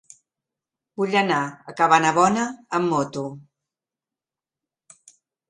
Vull anar a Cabanabona amb moto.